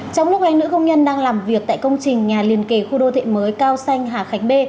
trong lúc hai nữ công nhân đang làm việc tại công trình nhà liền kề khu đô thị mới cao xanh hà khánh b